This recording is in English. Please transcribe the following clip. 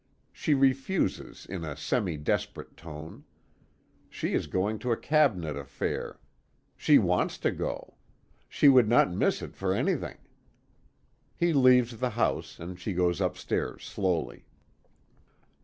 She refuses in a semi desperate tone. She is going to a cabinet affair! She wants to go! She would not miss it for anything! He leaves the house, and she goes upstairs slowly.